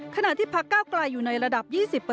ขณะที่พักเก้าไกลอยู่ในระดับ๒๐